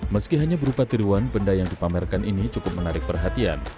meski hanya berupa tiruan benda yang dipamerkan ini cukup menarik perhatian